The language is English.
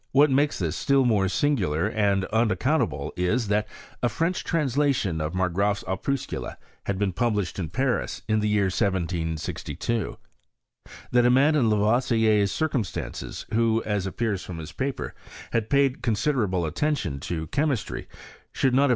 What makes this still more singular and unaccountable is, that a French translation of Mar graaf *s Opuscula had been published in Paris, in the year 1762. That a man in Lavoisier's circum stances, who, as appears from his paper, had paid considerable attention to chemistry, should not have VOL. II. G 82 UISTOBT OF CHEMIST&T.